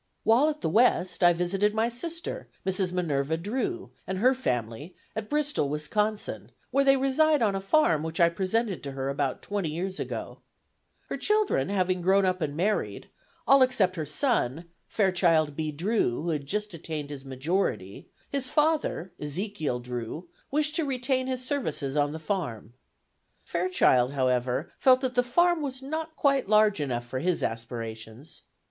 While at the West, I visited my sister, Mrs. Minerva Drew, and her family, at Bristol, Wisconsin, where they reside on a farm which I presented to her about twenty years ago. Her children having grown up and married, all except her son, Fairchild B. Drew, who had just attained his majority, his father (Ezekiel Drew) wished to retain his services on the farm. Fairchild, however, felt that the farm was not quite large enough for his aspirations.